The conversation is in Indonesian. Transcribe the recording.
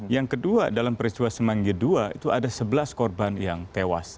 yang kedua dalam peristiwa semanggi ii itu ada sebelas korban yang tewas